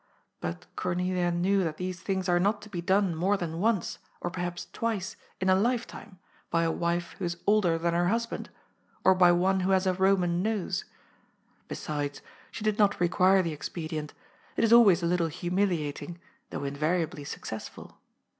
But Cornelia knew that these things are not to be done more than once, or perhaps twice, in a life time by a wife who is older than her husband, or by one who has a Eoman nose. Besides, she did not require the expedient ; it is always a little humiliating, though invariably successful.